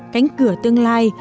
cánh cửa tương lai